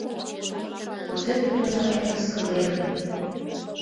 Кузе тудо мыйым мыскылен!